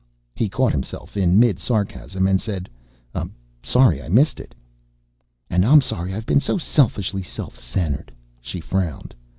He caught himself in mid sarcasm and said, "I'm sorry I missed it." "And I'm sorry I've been so selfishly self centered." She frowned.